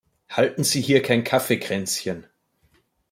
Halten Sie hier kein Kaffeekränzchen!